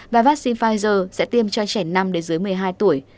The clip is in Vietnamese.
và vaccine pfizer sẽ tiêm cho trẻ năm đến dưới một mươi hai tuổi